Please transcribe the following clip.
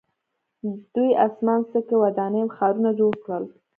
دوی اسمان څکې ودانۍ او ښارونه جوړ کړل.